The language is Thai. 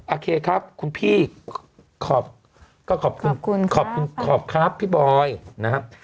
โอเคครับคุณพี่ขอบก็ขอบคุณขอบคุณขอบครับพี่บอยนะฮะ